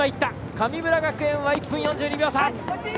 神村学園は１分４２秒差。